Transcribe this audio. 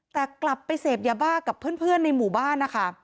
แต่กลับไปเสพยาบ้ากับเพื่อนในหมู่บ้านนะคะ